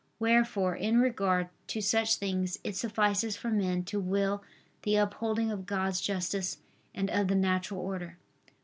Wherefore in regard to such things it suffices for man to will the upholding of God's justice and of the natural order.